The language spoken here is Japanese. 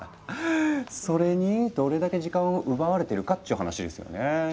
それにどれだけ時間を奪われてるかっちゅう話ですよね。